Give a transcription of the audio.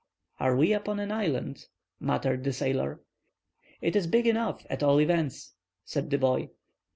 "Are we upon an island?" muttered the sailor. "It is big enough, at all events," said the boy.